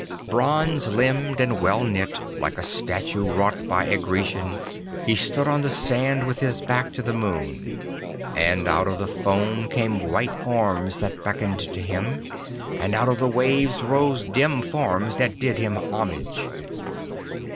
Bronze limbed and well knit, like a statue wrought by a Grecian, he stood on the sand with his back to the moon, and out of the foam came white arms that beckoned to him, and out of the waves rose dim forms that did him homage.